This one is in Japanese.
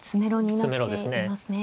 詰めろですね。